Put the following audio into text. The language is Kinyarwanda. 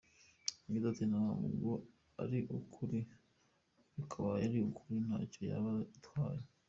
Yagize ati “Ntabwo ari ukuri ariko abaye ari ukuri ntacyo yaba atwaye.